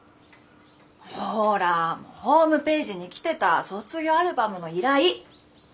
ほらホームページに来てた卒業アルバムの依頼。